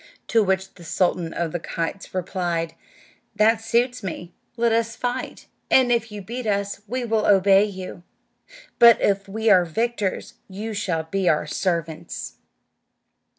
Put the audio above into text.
To which the sultan of the kites replied, "That suits me; let us fight, and if you beat us we will obey you, but if we are victors you shall be our servants."